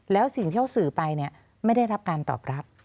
แล้วสิ่งที่เขาสื่อไปไม่ได้รับการตอบรับ